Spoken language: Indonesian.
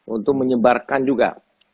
untuk menyebarkan juga